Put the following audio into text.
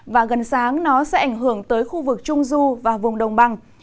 và gần sáng nó sẽ ảnh hưởng tới khu vực trung du và vùng đồng bằng